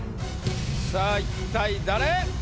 さぁ一体誰？